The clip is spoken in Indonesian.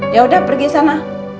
yaudah pergi sana